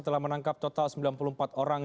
telah menangkap total sembilan puluh empat orang